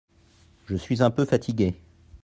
Je suis un peu fatigué.